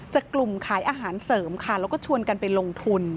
จากกลุ่มขายอาหารเสริมค่ะแล้วก็ชวนกันไปลงทุน